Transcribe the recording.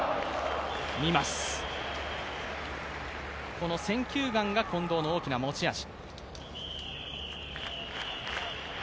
この選球眼が近藤の大きな持ち味。